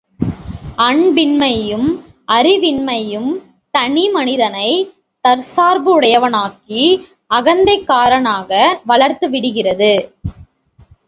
அன்பின்மையும் அறிவின்மையும் தனி மனிதனைத் தற்சார்புடையவனாக்கி அகந்தைக்காரனாக வளர்த்து விடுகிறது.